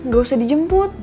gak usah dijemput